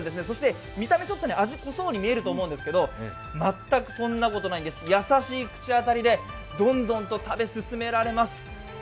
そして、見た目ちょっと味濃そうに見えると思うんですけど、全くそんなことないんです、優しい口当たりでどんどんと食べ進められます。